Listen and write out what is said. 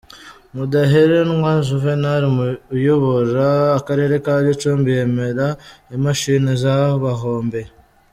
Mudaheranwa Juvenal uyobora Akarere ka Gicumbi yemera imashini zabahombeye.